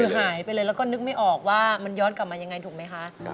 คือหายไปเลยแล้วก็นึกไม่ออกว่ามันย้อนกลับมายังไงถูกไหมคะ